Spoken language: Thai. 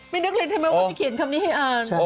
นึกเลยใช่ไหมว่าจะเขียนคำนี้ให้อ่าน